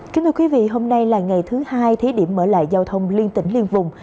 kính thưa quý vị hôm nay là ngày thứ hai thí điểm mở lại giao thông liên tỉnh liên vùng